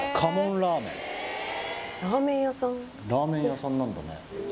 ラーメン屋さんなんだね